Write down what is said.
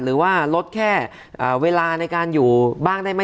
หรือว่าลดแค่เวลาในการอยู่บ้างได้ไหม